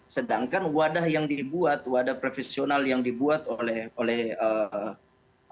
sedangkan wadah yang dibuat wadah profesional yang dibuat oleh pssi itu sendiri